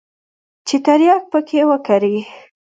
چې ترياک پکښې وکري.